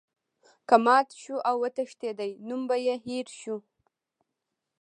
که مات شو او وتښتیدی نوم به یې هیر شو.